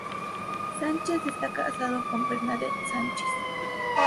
Sánchez esta casado con Bernadette Sánchez.